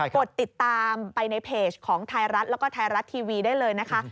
กดติดตามไปในเพจของไทยรัฐแล้วก็ไทยรัฐทีวีได้เลยนะคะ